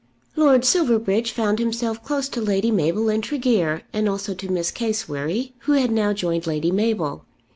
Lord Silverbridge found himself close to Lady Mabel and Tregear, and also to Miss Cassewary, who had now joined Lady Mabel.